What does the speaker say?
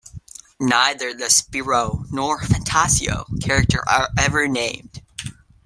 Neither the "Spirou", nor the "Fantasio" character are ever named.